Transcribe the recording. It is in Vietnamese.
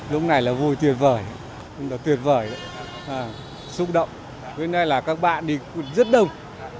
lúc này là vui tuyệt vời tuyệt vời xúc động hôm nay là các bạn đi rất đông